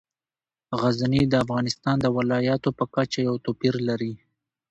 غزني د افغانستان د ولایاتو په کچه یو توپیر لري.